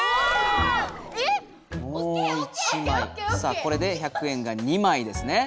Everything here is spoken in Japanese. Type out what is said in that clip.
さあこれで１００円が２枚ですね。